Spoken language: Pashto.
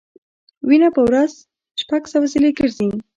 وینه په ورځ شپږ سوه ځلې ګرځي.